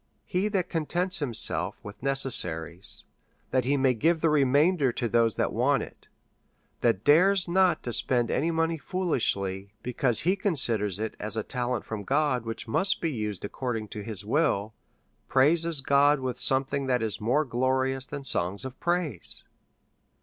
He that contents himself with necessaries, that he may give the re mainder to those that want it, that dares not to spend any money foolishly, because he considers it as a ta lent from God, which must be used according to his will, praises God with something that is more glorious than songs of praise.